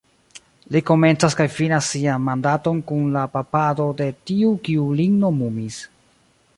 Li komencas kaj finas sian mandaton kun la papado de tiu kiu lin nomumis.